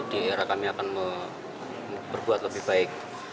di era kami akan berbuat lebih baik